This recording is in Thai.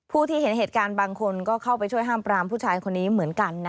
ผู้ที่เห็นเหตุการณ์บางคนก็เข้าไปช่วยห้ามปรามผู้ชายคนนี้เหมือนกัน